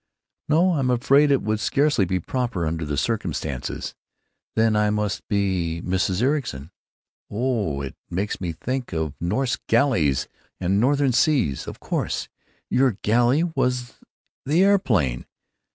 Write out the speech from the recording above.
'" "No, I'm afraid it would scarcely be proper, under the circumstances. Then I must be 'Mrs. Ericson.' Ooh! It makes me think of Norse galleys and northern seas. Of course—your galley was the aeroplane....